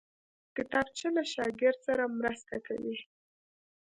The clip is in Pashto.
کتابچه له شاګرد سره مرسته کوي